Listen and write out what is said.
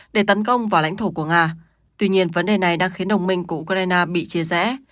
để tấn công vào lãnh thổ của nga tuy nhiên vấn đề này đã khiến đồng minh của ukraine bị chia rẽ